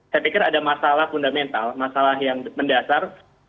saya pikir ada masalah fundamental masalah yang mendasar